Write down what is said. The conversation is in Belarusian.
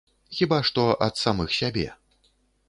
Хіба што ад самых сябе.